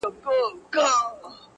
حقیقت در څخه نه سم پټولای!.